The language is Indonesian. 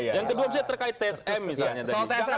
yang kedua bisa terkait tsm misalnya